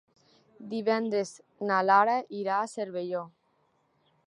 Divendres na Lara irà a Cervelló.